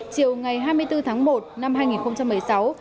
chiều ngày hai mươi bốn tháng một năm hai nghìn một mươi sáu bông đã dùng kéo